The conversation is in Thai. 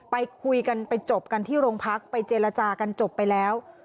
ไปคุยกันไปจบกันที่โรงพักไปเจรจากันจบไปแล้ว